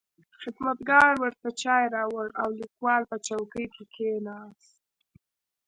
خدمتګار ورته چای راوړ او لیکوال په چوکۍ کې کښېناست.